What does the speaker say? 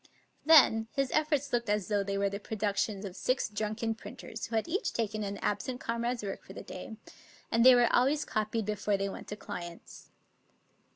Then his efforts looked as though they were the produc tions of six drunken printers who had each taken an absent comrade's work for the day; and they were always copied before they went to clients.